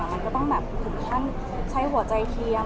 มันก็ต้องแบบถึงขั้นใช้หัวใจเคียง